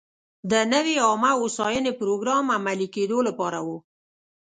د نوې عامه هوساینې پروګرام عملي کېدو لپاره و.